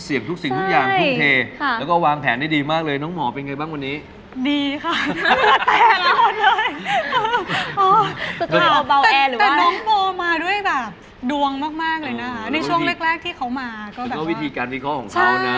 วิธีการพิเคราะไห์ของเขานะ